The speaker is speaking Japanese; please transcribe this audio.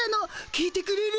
聞いてくれる？